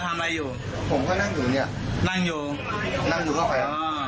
ทำอะไรอยู่ผมก็นั่งอยู่เนี่ยนั่งอยู่นั่งอยู่เข้าไปอ๋อ